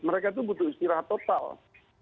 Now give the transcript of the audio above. mereka itu butuh istirahat total